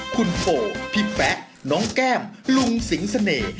คุณโฟพี่แป๊ะน้องแก้มลุงสิงเสน่ห์